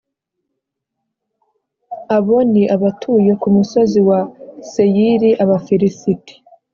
Abo ni abatuye ku musozi wa Seyiri, Abafilisiti,